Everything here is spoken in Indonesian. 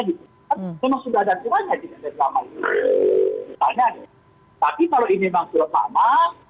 tapi kalau ini memang surat lama